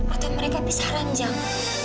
atau mereka pisah ranjang